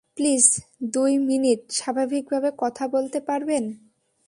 Please, দুই minute স্বাভাবিকভাবে কথা বলতে পারবেন?